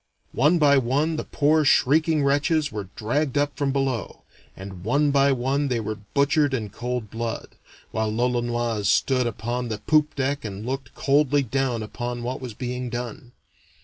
One by one the poor shrieking wretches were dragged up from below, and one by one they were butchered in cold blood, while l'Olonoise stood upon the poop deck and looked coldly down upon what was being done.